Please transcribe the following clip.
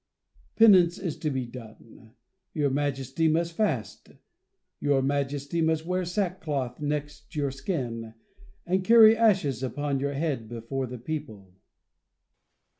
Penance is to be done ; your Majesty must fast ; your Majesty must wear sackcloth next your skin, and carry ashes upon your head before the people.